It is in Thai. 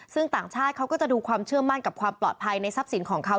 ซึ่งต่างชาติเขาก็จะดูความเชื่อมั่นกับความปลอดภัยในทรัพย์สินของเขา